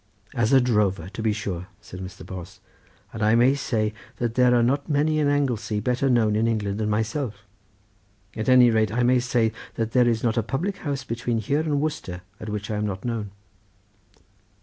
"As a drover, to be sure," said Mr. Bos, "and I may say that there are not many in Anglesey better known in England than myself—at any rate I may say that there is not a public house between here and Worcester at which I am not known."